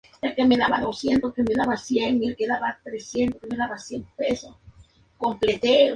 Finalmente, se suicidan, primero Eva, a continuación, Anna, y, por último, Georg.